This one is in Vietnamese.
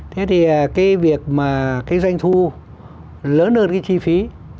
thế thì cái việc mà cái doanh thu lớn hơn cái chi phí